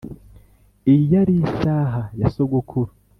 iyi yari isaha ya sogokuru.